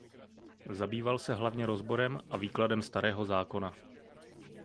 Zabýval se hlavně rozborem a výkladem Starého zákona.